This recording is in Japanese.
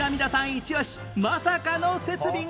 イチオシまさかの設備が！